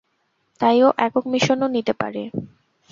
তাই ও একক মিশনও নিতে পারে।